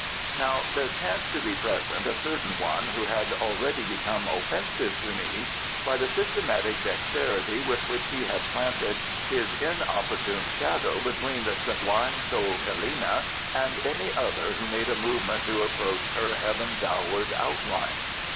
Now there chanced to be present a certain one who had already become offensive to me by the systematic dexterity with which he had planted his inopportune shadow between the sublime souled Helena and any other who made a movement to approach her heaven dowered outline.